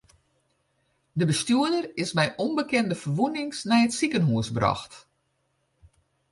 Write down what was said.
De bestjoerder is mei ûnbekende ferwûnings nei it sikehús brocht.